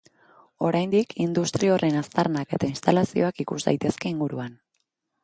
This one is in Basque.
Oraindik industri horren aztarnak eta instalazioak ikus daitezke inguruan.